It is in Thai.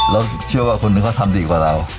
แล้วเชื่อว่าคนนึงเขาทำดีกว่าเรา